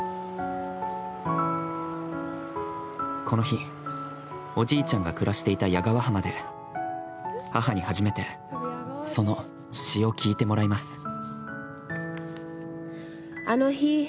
この日、おじいちゃんが暮らしていた谷川浜で母に初めてその詩を聞いてもらいます。